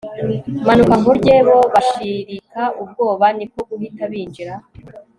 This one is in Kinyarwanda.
manuka nkurye bo bashirika ubwoba niko guhita binjira